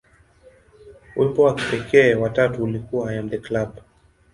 Wimbo wa kipekee wa tatu ulikuwa "I Am The Club".